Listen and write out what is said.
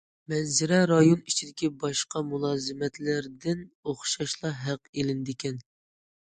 مەنزىرە رايونى ئىچىدىكى باشقا مۇلازىمەتلەردىن ئوخشاشلا ھەق ئېلىنىدىكەن.